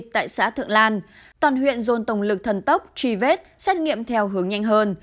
tại xã thượng lan toàn huyện dồn tổng lực thần tốc truy vết xét nghiệm theo hướng nhanh hơn